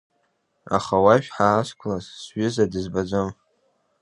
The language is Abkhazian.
Аха уажә ҳаазқәлаз, сҩыза дызбаӡом.